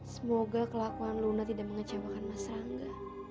semoga kelakuan luna tidak mengecewakan mas rangga